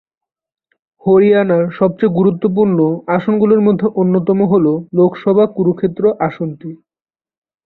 হরিয়ানার সবচেয়ে গুরুত্বপূর্ণ আসনগুলির মধ্যে অন্যতম হল লোকসভা কুরুক্ষেত্র আসনটি।